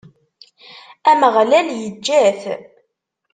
Ameɣlal iǧǧa-t.